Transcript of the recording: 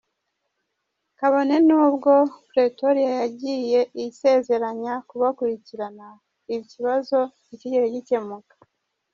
Kabone nubwo Pretoria yagiye isezeranya kubakurikirana, ikibazo ntikigeze gikemuka.